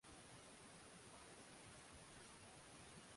Naenda bara kesho